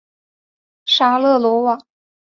沙勒罗瓦。